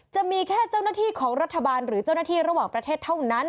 จะมีแค่เจ้าหน้าที่ของรัฐบาลหรือเจ้าหน้าที่ระหว่างประเทศเท่านั้น